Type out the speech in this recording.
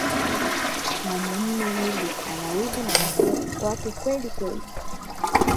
Ah Mwanamme yule anawivu na mkewe kwelikweli.